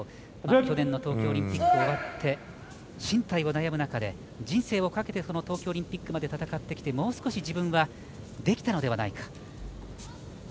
去年の東京オリンピック終わって進退を悩む中で人生をかけて東京オリンピックまで戦ってきてもう少し自分はできたのではないか。